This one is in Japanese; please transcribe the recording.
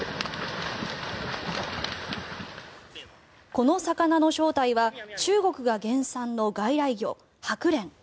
この魚の正体は中国が原産の外来魚、ハクレン。